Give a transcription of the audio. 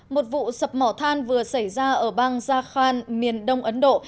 một vụ sập mỏ than vừa xảy ra ở bang jakhan miền đông ấn độ